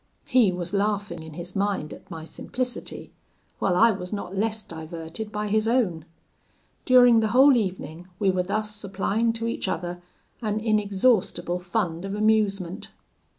He was laughing in his mind at my simplicity, while I was not less diverted by his own. During the whole evening we were thus supplying to each other an inexhaustible fund of amusement.